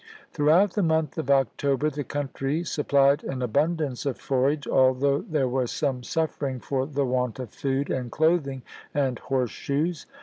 Throughout 1863. the month of October the country supplied an abundance of forage, although there was some suf fering for the want of food and clothing and horse shoes.